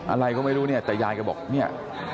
อะไรก็ไม่รู้เนี่ยแต่ยายก็บอกเนี่ย